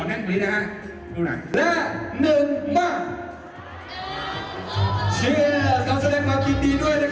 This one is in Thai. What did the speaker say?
เรามีเทคโนโลยีมีการล๊อคจิต